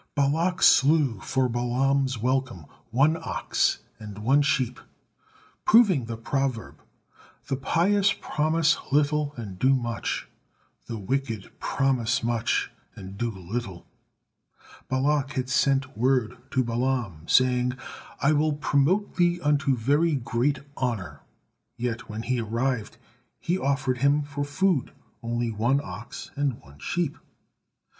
Balak slew for Balaam's welcome one ox and one sheep, proving the proverb, "The pious promise little and do much, the wicked promise much and do little." Balak had sent word to Balaam, saying, "I will promote thee unto very great honor;" yet when he arrived, he offered him for food only one ox and one sheep.